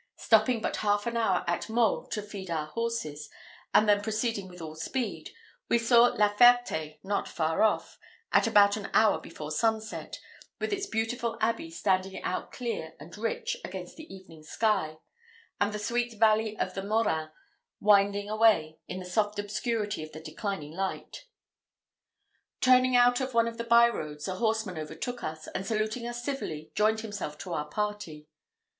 Stopping but half an hour at Meaux to feed our horses, and then proceeding with all speed, we saw La Ferté not far off, at about an hour before sunset, with its beautiful abbey standing out clear and rich against the evening sky; and the sweet valley of the Morin winding away in the soft obscurity of the declining light. Turning out of one of the byroads, a horseman overtook us, and saluting us civilly, joined himself to our party.